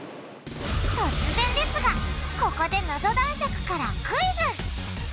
突然ですがここでナゾ男爵からクイズ！